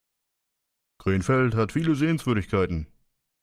Krefeld hat viele Sehenswürdigkeiten